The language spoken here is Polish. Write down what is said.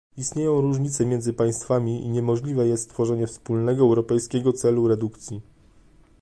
Istnieją różnice między państwami i niemożliwe jest stworzenie wspólnego europejskiego celu redukcji